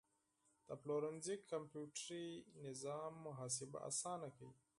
د پلورنځي کمپیوټري سیستم محاسبه اسانه کوي.